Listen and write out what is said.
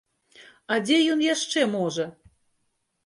А дзе ён яшчэ можа?